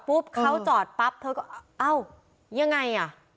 เขาจอดปั๊บเธอก็เอ้ายังไงอ่ะ